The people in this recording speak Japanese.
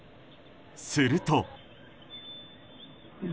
すると。